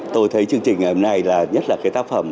tôi thấy chương trình ngày hôm nay là nhất là cái tác phẩm